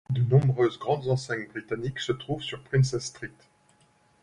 De nombreuses grandes enseignes britanniques se trouvent sur Princes Street.